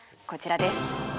こちらです。